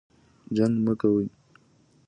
جنګ مه کوئ